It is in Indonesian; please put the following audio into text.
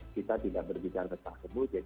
kita tidak berbicara tentang sembuh